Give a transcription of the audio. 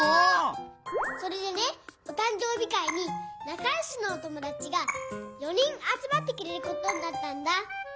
それでねおたん生日会になかよしのお友だちが４人あつまってくれることになったんだ。